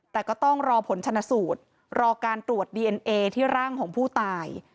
แต่ก็ต้องรอผลชนะสูตรรอการตรวจดีเอ็นเอที่ร่างของผู้ตาย